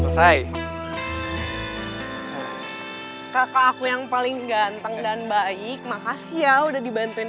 selesai kakak aku yang paling ganteng dan baik makasih ya udah dibantuin